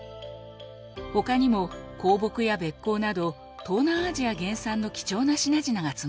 ほかにも香木やべっ甲など東南アジア原産の貴重な品々が積まれていました。